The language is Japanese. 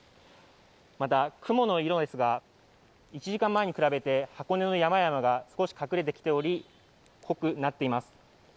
また雲の色ですが、１時間前に比べて、箱根の山々が少し隠れてきており濃くなっています。